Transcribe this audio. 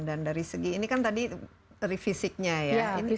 dan dari segi ini kan tadi dari fisiknya ya